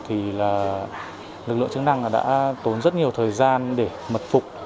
thì lực lượng chức năng đã tốn rất nhiều thời gian để mật phục